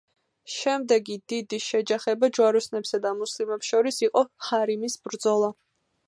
შემდეგი დიდი შეჯახება ჯვაროსნებსა და მუსლიმებს შორის იყო ჰარიმის ბრძოლა.